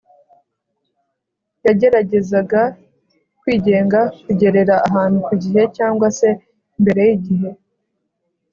Yageragezaga kwigenga kugerera ahantu ku gihe cyangwa se mbere y igihe